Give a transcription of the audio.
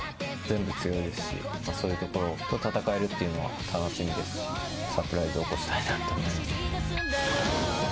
全部強いですしそういうところと戦えるというのは楽しみですしサプライズ起こしたいなと思います。